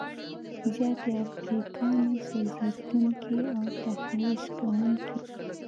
زیاتې القلي ګانې سوځونکي او تخریش کوونکي دي.